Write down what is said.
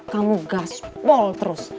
kamu gaspol terus